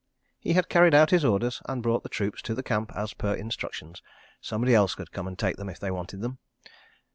He had carried out his orders and brought the troops to the Camp as per instructions. Somebody else could come and take them if they wanted them.